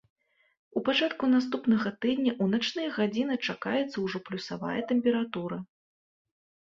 У пачатку наступнага тыдня ў начныя гадзіны чакаецца ўжо плюсавая тэмпература.